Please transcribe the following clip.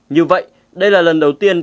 như vậy đây là lần đầu tiên